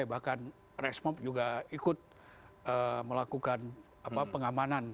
bahkan resmob juga ikut melakukan pengamanan